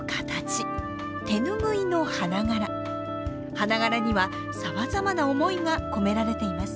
花柄にはさまざまな思いが込められています。